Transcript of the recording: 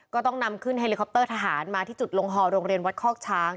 ก็ต้องนำขึ้นเฮลิคอปเตอร์ทหารมาที่จุดลงฮอโรงเรียนวัดคอกช้าง